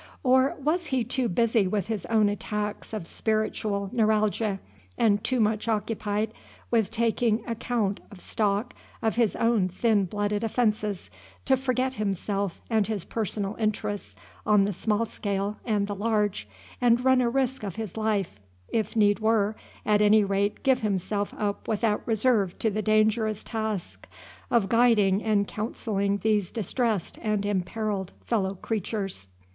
or was he too busy with his own attacks of spiritual neuralgia, and too much occupied with taking account of stock of his own thin blooded offences, to forget himself and his personal interests on the small scale and the large, and run a risk of his life, if need were, at any rate give himself up without reserve to the dangerous task of guiding and counselling these distressed and imperilled fellow creatures?